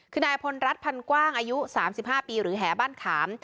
คือนายพลรัฐพันกว้างอายุ๓๕ปีหรือแหบ้านขาม